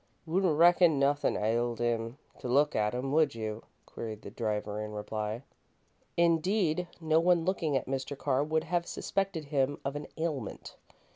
"Wouldn't reckon nothin' ailed him to look at him, would you?" queried the driver, in reply. Indeed, no one looking at Mr. Carr would have suspected him of an "ailment."